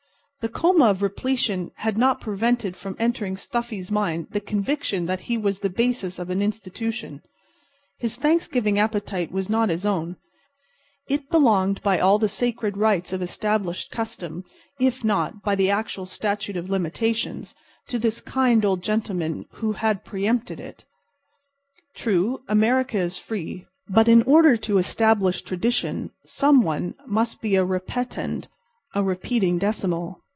The coma of repletion had not prevented from entering Stuffy's mind the conviction that he was the basis of an Institution. His Thanksgiving appetite was not his own; it belonged by all the sacred rights of established custom, if not, by the actual Statute of Limitations, to this kind old gentleman who bad preempted it. True, America is free; but in order to establish tradition some one must be a repetend—a repeating decimal.